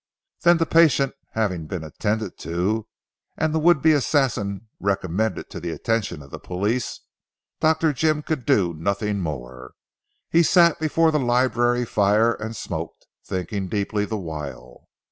Then the patient having been attended to and the would be assassin recommended to the attention of the police, Dr. Jim could do nothing more. He sat before the library fire and smoked, thinking deeply the while.